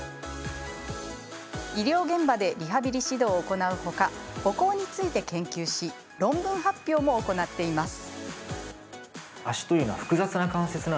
医療現場でリハビリ指導を行うほか歩行について研究し論文発表も行っています。